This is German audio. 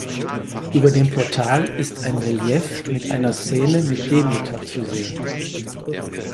Über dem Portal ist ein Relief mit einer Szene mit Demeter zu sehen.